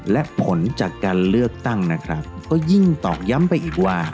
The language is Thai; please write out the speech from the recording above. และผลจากการเลือกตั้งนะครับก็ยิ่งตอกย้ำไปอีกว่า